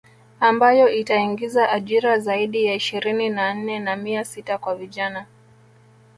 Ambayo itaingiza ajira zaidi ya ishirini na nne na mia sita kwa vijana